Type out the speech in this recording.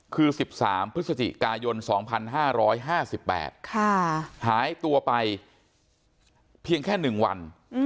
คือ๑๓พฤศจิกายน๒๕๕๘หายตัวไปเพียงแค่๑วัน